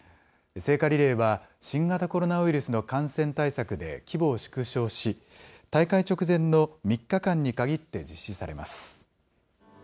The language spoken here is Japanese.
聖火リレーは新型コロナウイルスの感染対策で規模を縮小し、大会直前の３日間にかぎって実施されます。